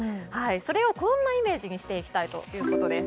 それをこんなイメージにしていきたいということです。